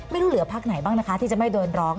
ไม่รู้เหลือภาคไหนบ้างนะคะที่จะไม่โดนร้อง